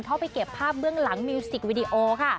ไปเก็บภาพเบื้องหลังมิวสิกวิดีโอค่ะ